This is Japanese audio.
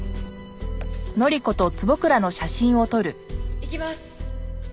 いきます。